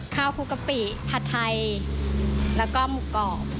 คลุกกะปิผัดไทยแล้วก็หมูกรอบ